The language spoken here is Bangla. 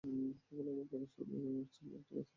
কেবল আমার কথা শুনে চলো, ঠিক আছে?